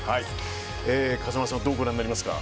風間さんどうご覧になりますか？